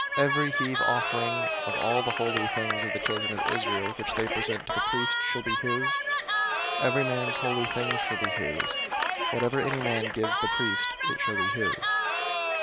005:009 Every heave offering of all the holy things of the children of Israel, which they present to the priest, shall be his. 005:010 Every man's holy things shall be his: whatever any man gives the priest, it shall be his."